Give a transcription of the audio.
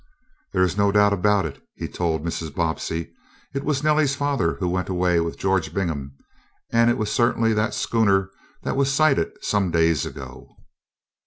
"There is no doubt about it," he told Mrs. Bobbsey. "It was Nellie's father who went away with George Bingham, and it was certainly that schooner that was sighted some days ago."